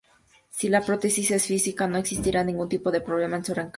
Si la prótesis es fija, no existirá ningún tipo de problema con su retención.